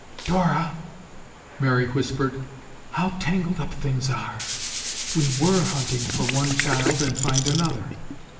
"Dora," Mary whispered, "how tangled up things are. We were hunting for one child and find another.